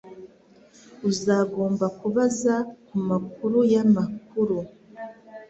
Uzagomba kubaza kumakuru yamakuru.